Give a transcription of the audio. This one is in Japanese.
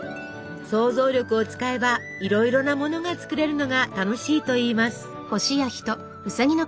想像力を使えばいろいろなものが作れるのが楽しいといいます。